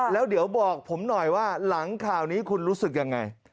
แล้วเดี๋ยวบอกผมหน่อยว่าหลังข่าวนี้คุณรู้สึกยังไง